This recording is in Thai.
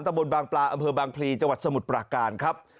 บนบางปลาอำเภอบางพลีจังหวัดสมุทรปราการครับ